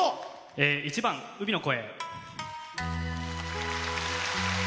１番「海の声」。